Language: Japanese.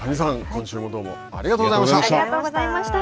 今週もどうもありがとうございました。